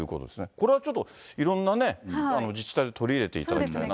これはちょっと、いろんなね、自治体に取り入れていただきたいなと。